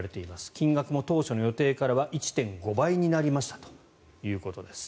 金額も当初の予定からは１．５倍になりましたということです。